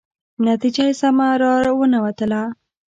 نتیجه یې سمه را ونه وتله.